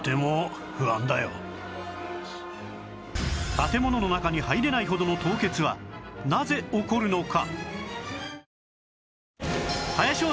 建物の中に入れないほどの凍結はなぜ起こるのか？